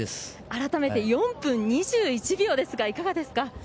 改めて４分２１秒ですがいかがですか？